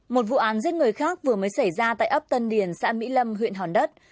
một vụ án giết người khác vừa mới xảy ra tại ấp tân điền xã mỹ lâm huyện hòn đất